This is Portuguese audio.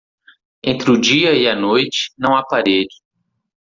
Entre o dia e a noite, não há parede.